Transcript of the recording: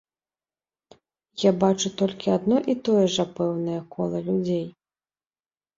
Я бачу толькі адно і тое жа пэўнае кола людзей.